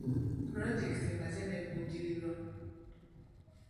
Pulojekiti emaze n'evvujjirirwa.